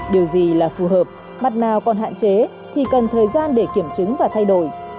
điều gì là phù hợp mặt nào còn hạn chế thì cần thời gian để kiểm chứng và thay đổi